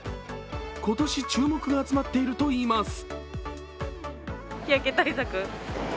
今年、注目が集まっているといいます。